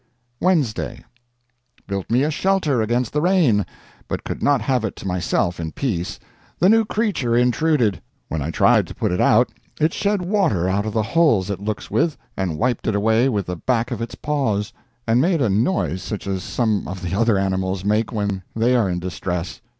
WEDNESDAY. Built me a shelter against the rain, but could not have it to myself in peace. The new creature intruded. When I tried to put it out it shed water out of the holes it looks with, and wiped it away with the back of its paws, and made a noise such as some of the other animals make when they are in distress.